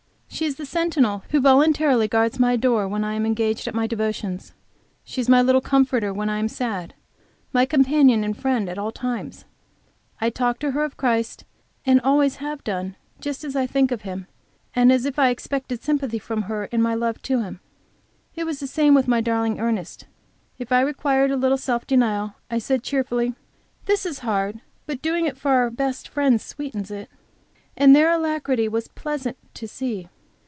She is the sentinel who voluntarily guards my door when I am engaged at my devotions; she is my little comforter when I am sad, my companion and friend at all times. I talk to her of Christ, and always have done, just as I think of Him, and as if I expected sympathy from her in my love to Him. It was the same with my darling Ernest. If I required a little self denial, I said cheerfully, "This is hard, but doing it for our best Friend sweetens it," and their alacrity was pleasant to see.